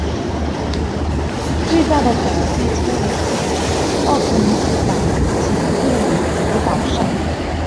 最大的岛被称为奥克尼主岛即位于主岛上。